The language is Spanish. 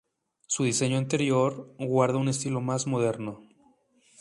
Su diseño interior guarda un estilo más moderno.